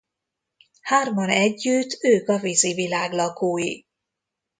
Hárman együtt ők a vízi világ lakói.